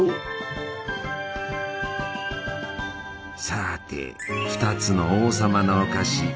さて２つの「王様のお菓子」。